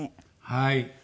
はい。